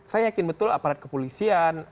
saya yakin betul aparat kepolisian